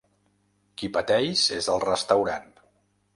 Qui pateix és el restaurant.